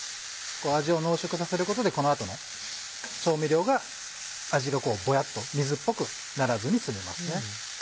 味を濃縮させることでこの後の調味料が味がぼやっと水っぽくならずに済みますね。